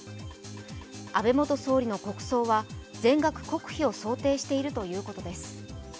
安倍元総理の国葬は全額国費を想定しているということです。